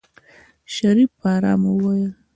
شريف په آرامه وويل.